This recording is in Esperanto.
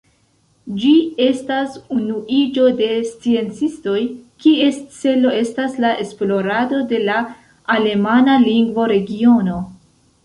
Ĝi estas unuiĝo de sciencistoj, kies celo estas la esplorado de la alemana lingvo-regiono.